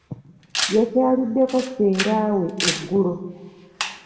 Yakyaliddeko ssengaawe eggulo.